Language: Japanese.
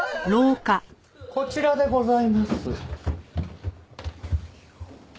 こちらでございます。